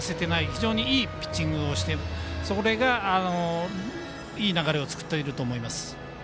非常にいいピッチングをしてそれがいい流れを作っていると思います。